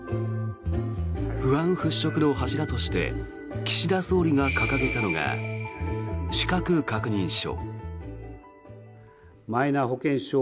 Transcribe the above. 不安払しょくの柱として岸田総理が掲げたのが資格確認書。